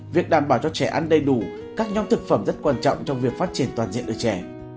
việc đảm bảo cho trẻ ăn đầy đủ các nhóm thực phẩm rất quan trọng trong việc phát triển toàn diện ở trẻ